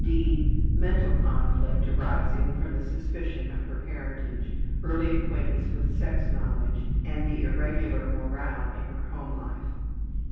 (d) Mental conflict arising from the suspicion of her parentage, early acquaintance with sex knowledge, and the irregular morale of her home life.